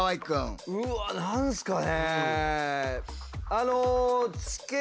うわ何すかね。